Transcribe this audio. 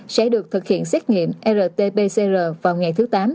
sẽ được thực hiện xét nghiệm rt pcr vào ngày thứ tám